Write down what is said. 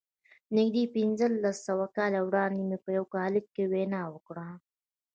نږدې پينځلس کاله وړاندې مې په يوه کالج کې وينا وکړه.